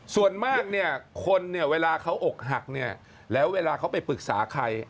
ส่วนมากเนี่ยคนเนี่ยเวลาเขาอกหักเนี่ยแล้วเวลาเขาไปปรึกษาใคร